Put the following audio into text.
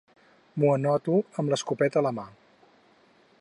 M'ho anoto amb l'escopeta a la mà.